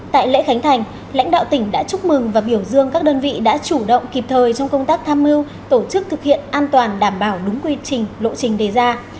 tại lễ khánh thành lãnh đạo tỉnh đã chúc mừng và biểu dương các đơn vị đã chủ động kịp thời trong công tác tham mưu tổ chức thực hiện an toàn đảm bảo đúng quy trình lộ trình đề ra